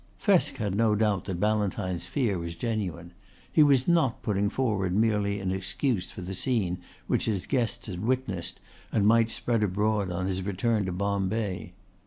Thresk had no doubt that Ballantyne's fear was genuine. He was not putting forward merely an excuse for the scene which his guest had witnessed and might spread abroad on his return to Bombay.